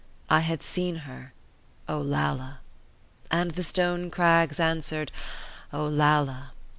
I had seen her—Olalla! And the stone crags answered, Olalla!